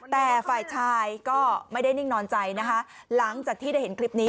แต่ฝ่ายชายก็ไม่ได้นิ่งนอนใจนะคะหลังจากที่ได้เห็นคลิปนี้